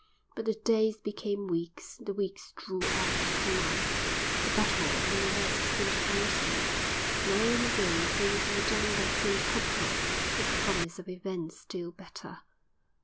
But the days became weeks, the weeks drew out to months; the battle in the West seemed frozen. Now and again things were done that seemed hopeful, with promise of events still better.